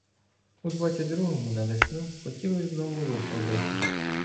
У двадцять другому на весну хотіли знову рух робити.